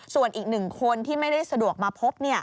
ส่วนอีก๑คนที่ไม่ได้สะดวกมาพบ